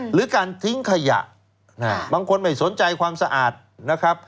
หรือการทิ้งขยะบางคนไม่สนใจความสะอาดนะครับ